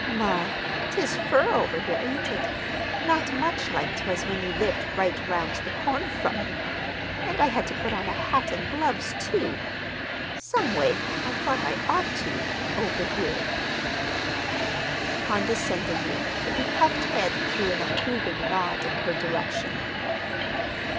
"My, 'tis fur over here, ain't it? Not much like 'twas when you lived right 'round the corner from me! And I had to put on a hat and gloves, too. Someway, I thought I ought to—over here." Condescendingly the bepuffed head threw an approving nod in her direction.